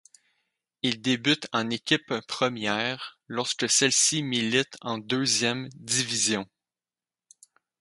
Il débute en équipe première lorsque celle-ci milite en deuxième division.